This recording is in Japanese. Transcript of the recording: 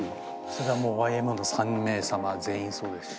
それはもうＹＭＯの３名様全員そうです？